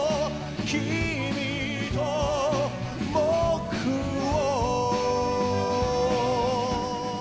「君と僕を」